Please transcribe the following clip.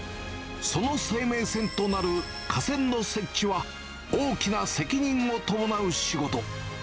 その生命線となる架線の設置は大きな責任を伴う仕事。